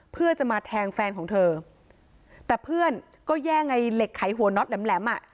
เพื่อจะมาแทงแฟนของเธอแต่เพื่อนก็แย่งไอ้เหล็กไขหัวน็อตแหลมแหลมอ่ะ